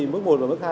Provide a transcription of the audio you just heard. mức một và mức hai